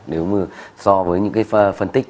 nếu mà so với những cái phân tích